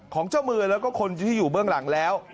เจ้ามือแล้วก็คนที่อยู่เบื้องหลังแล้ว